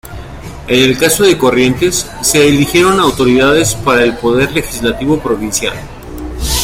En el caso de Corrientes, se eligieron autoridades para el Poder Legislativo provincial.